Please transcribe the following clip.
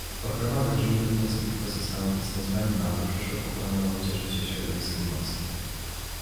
Ochrona wrażliwych morskich ekosystemów jest niezbędna, aby przyszłe pokolenia mogły cieszyć się środowiskiem morskim